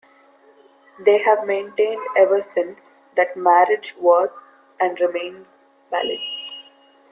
They have maintained ever since that that marriage was and remains valid.